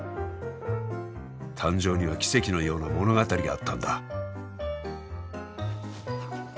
誕生には奇跡のような物語があったんだ。